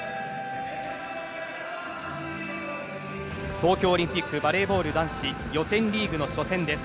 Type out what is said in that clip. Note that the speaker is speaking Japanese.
東京オリンピックバレーボール男子予選リーグの初戦です。